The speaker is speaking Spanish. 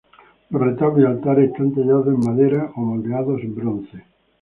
Los retablos y altares están tallados en madera o moldeados en bronce.